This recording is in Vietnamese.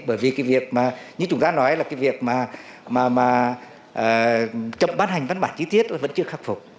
bởi vì cái việc mà như chúng ta nói là cái việc mà chậm bán hành văn bản chi tiết vẫn chưa khắc phục